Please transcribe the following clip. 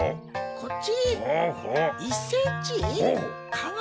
こっち？